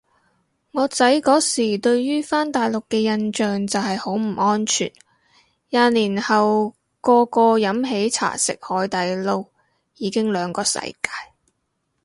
我仔嗰時對於返大陸嘅印象就係好唔安全，廿年後個個飲喜茶食海底撈已經兩個世界